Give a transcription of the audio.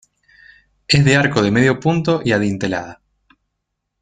Es de arco de medio punto y adintelada.